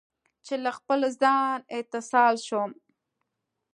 چې له خپل ځان، اتصال شوم